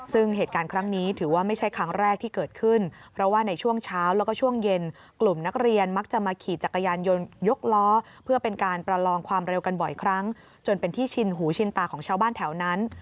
ซึ่งเหตุการณ์ครั้งนี้ถือว่าไม่ใช่ครั้งแรกที่เกิดขึ้นเพราะว่าในช่วงเช้าแล้วก็ช่วงเย็นกลุ่มนักเรียนมักจะมาขี่จักรยานยนต์ยกล้อเพื่อเป็นการประลองความเร็วกันบ่อยครั้งจนเป็นที่ชินหูชินตาของชาวบ้านแถวนั้น